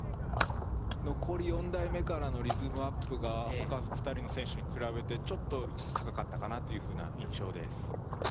残り４台目からのリズムアップが他２人の選手に比べてちょっと高かったかなというふうな印象です